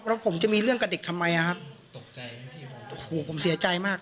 แล้วผมจะมีเรื่องกับเด็กทำไมนะครับโอ้โหผมเสียใจมาก